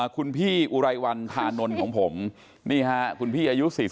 คุณพี่อุไรวันธานนท์ของผมนี่ฮะคุณพี่อายุ๔๐